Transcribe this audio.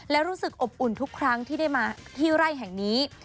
และรู้สึกอบอุ่นทุกครั้งที่ได้มาที่ไร่แห่งนี้